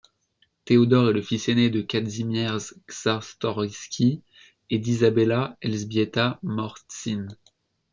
Teodor est le fils aîné de Kazimierz Czartoryski et d'Izabela Elżbieta Morsztyn.